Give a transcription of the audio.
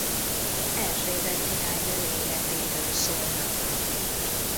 Erzsébet királynő életéről szólnak.